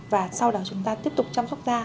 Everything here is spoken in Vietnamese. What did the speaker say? và sau đó chúng ta tiếp tục chăm sóc da